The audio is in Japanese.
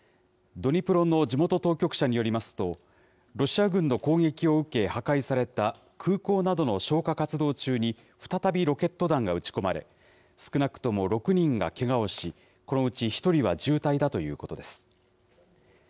ドニプロの地元当局者によりますと、ロシア軍の攻撃を受け破壊された空港などの消火活動中に、再びロケット弾が撃ち込まれ、少なくとも６人がけがをし、このうち１人は重体だということです。